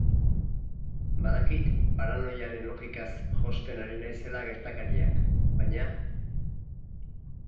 Badakit paranoiaren logikaz josten ari naizela gertakariak, baina...